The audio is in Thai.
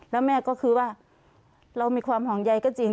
แล้วแม่ก็คือว่าเรามีความห่วงใยก็จริง